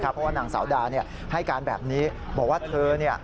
เพราะว่านางสาวดาเนี้ยให้การแบบนี้บอกว่าเธอนี่อ่ะ